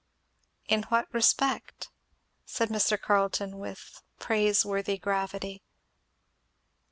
"In what respect?" said Mr. Carleton with praiseworthy gravity.